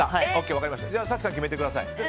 早紀さん、決めてください。